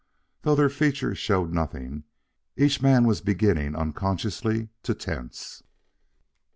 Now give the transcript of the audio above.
Though their features showed nothing, each man was beginning unconsciously to tense.